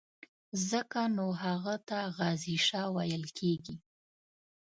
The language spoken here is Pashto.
ځکه نو هغه ته غازي شاه ویل کېږي.